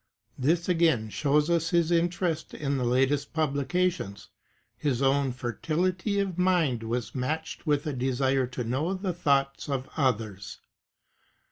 This again shows us his interest in the latest publications. His own fertility of mind was matched with a desire to know the thoughts of others.